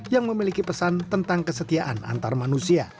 yang memiliki pesan tentang kesetiaan antar manusia